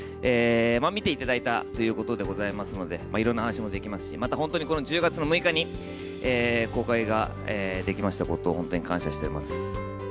見ていただいたということでございますので、いろんな話もできますし、また本当にこの１０月の６日に、公開ができましたことを本当に感謝しております。